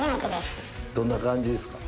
どんな感じですか？